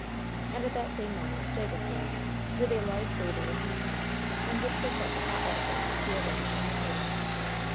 And at the same moment Jake appeared, with a large waiter in his hands, on which were set the hot edibles to be arranged on the table.